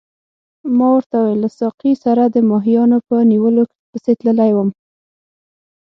ما ورته وویل له ساقي سره د ماهیانو په نیولو پسې تللی وم.